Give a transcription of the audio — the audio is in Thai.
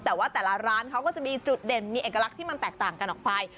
แต่ว่าแต่ละร้านเขาก็จะมีจุดเด่นมีเอกลักษณ์ที่มันแตกต่างกันออกไป